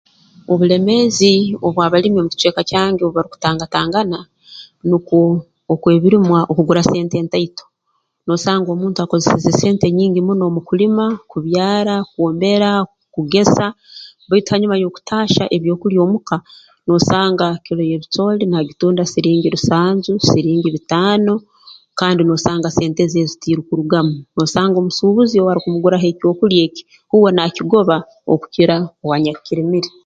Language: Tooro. Obuleemeezi obu abalimi omu kicweka kyange obu barukutangatangana nunkwo okw'ebirimwa okugura sente ntaito noosanga omuntu akozeseze sente nyingi muno mu kulima kubyaara kwombera kugesa baitu hanyuma y'okutahya ebyokulya omu ka noosanga kilo y'ebicooli naagitunda siringi rusanju siringi bitaano kandi noosanga sente ze ezi tiirukurugamu noosanga omusuubuzi owaakumuguraho ekyokulya eki uwe nakigoba okukira owaanyakukirimire